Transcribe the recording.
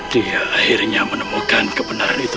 dia akhirnya menemukan kebenaran itu